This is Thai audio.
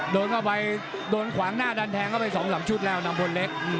โดนเข้าไปโดนขวางหน้าดันแทงเข้าไป๒๓ชุดแล้วนำพลเล็ก